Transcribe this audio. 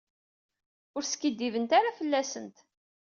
Ur skiddibent ara fell-asent.